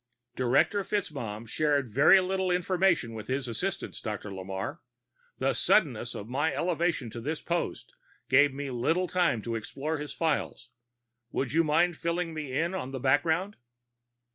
"Director FitzMaugham shared very little information with his assistants, Dr. Lamarre. The suddenness of my elevation to this post gave me little time to explore his files. Would you mind filling me in on the background?"